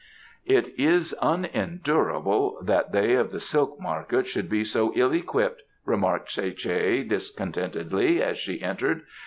"It is unendurable that they of the silk market should be so ill equipped," remarked Tsae che discontentedly as she entered.